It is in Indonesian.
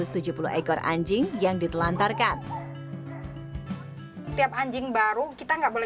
setelah mendapatkan keputusan sama anjing mereka jadi pegawai hingga sekarang kembali masih